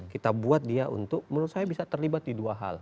kita buat dia untuk menurut saya bisa terlibat di dua hal